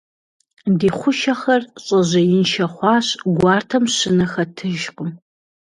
Ди хъушэхэр щӀэжьеиншэ хъуащ, гуартэм щынэ хэтыжкъым.